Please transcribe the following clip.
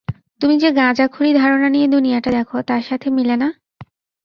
তুমি যে গাঁজাখুরি ধারণা নিয়ে দুনিয়াটা দেখো তার সাথে মিলে না?